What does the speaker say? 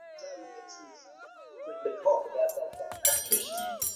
তবে মেয়েদের তুলনায় পুরুষদের বৃক্কে পাথর হওয়ার আশঙ্কা বেশি।